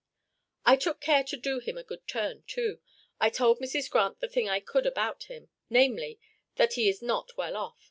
I took care to do him a good turn too; I told Mrs. Grant the thing I could about him, namely, that he is not well off.